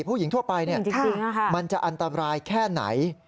ผู้หญิงทั่วไปเนี่ยมันจะอันตรายแค่ไหน